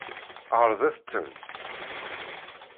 Ɛeṛḍet-ten.